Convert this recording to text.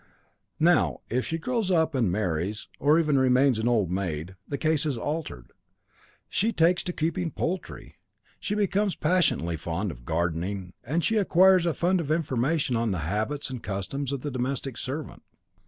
Now, if she grows up and marries, or even remains an old maid, the case is altered; she takes to keeping poultry, she becomes passionately fond of gardening, and she acquires a fund of information on the habits and customs of the domestic servant.